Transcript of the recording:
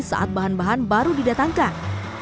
saat bahan bahan baru didatangkan